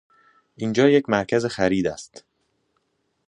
این جا یک مرکز خرید است.